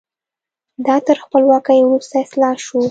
دا تر خپلواکۍ وروسته اصلاح شو.